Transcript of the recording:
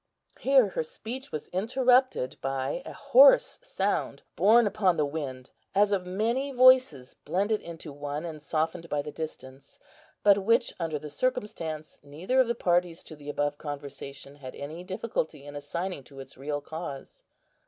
Here her speech was interrupted by a hoarse sound, borne upon the wind as of many voices blended into one and softened by the distance, but which, under the circumstances, neither of the parties to the above conversation had any difficulty in assigning to its real cause.